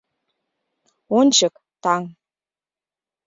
«Ончык, таҥ